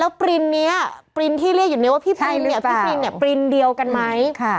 แล้วปรินเนี่ยปรินที่เรียกอยู่ในว่าพี่ปรินเนี่ยปรินเดียวกันไหม